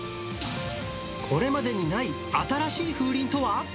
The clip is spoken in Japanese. これまでにない新しい風鈴とは。